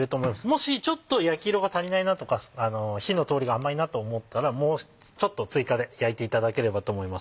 もしちょっと焼き色が足りないなとか火の通りが甘いなと思ったらもうちょっと追加で焼いていただければと思います。